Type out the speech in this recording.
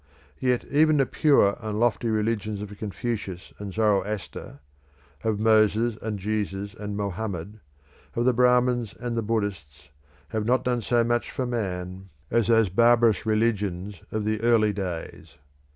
Yet even the pure and lofty religions of Confucius and Zoroaster; of Moses, and Jesus, and Mohammed; of the Brahmins and the Buddhists, have not done so much for man as those barbarous religions of the early days.